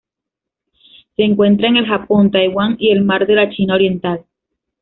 Se encuentra en el Japón, Taiwán y el Mar de la China Oriental.